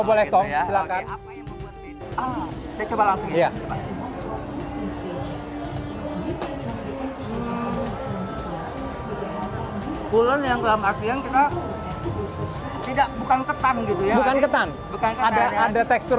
bulan yang dalam akhirnya kita tidak bukan ketan gitu ya bukan ketan bukan ada ada tekstur